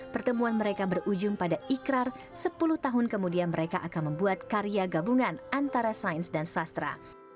pertemuan mereka berujung pada ikrar sepuluh tahun kemudian mereka akan membuat karya gabungan antara sains dan sastra